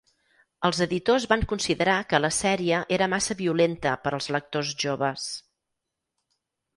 Els editors van considerar que la sèrie era massa violenta per als lectors joves.